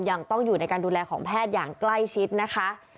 ยังต้องอยู่ในการดูแลของแพทย์อย่างใกล้ชิดนะคะ